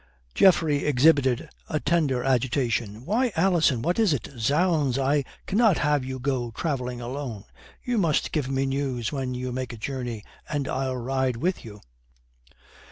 Geoffrey exhibited a tender agitation. "Why, Alison, what is it? Zounds, I cannot have you go travelling alone! You must give me news when you make a journey, and I'll ride with you."